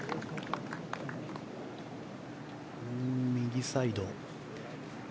右サイド。